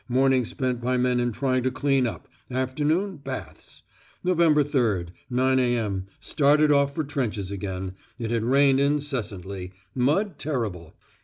Morning spent by men in trying to clean up. Afternoon, baths. Nov. 3rd. 9.0 a.m. Started off for trenches again. It had rained incessantly. Mud terrible.